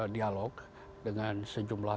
dialog dengan sejumlah